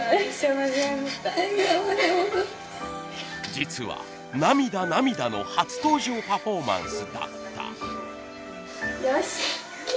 実は涙涙の初登場パフォーマンスだった。